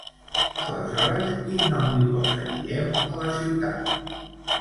Aleshores, quin nom li posa Guillem a la ciutat?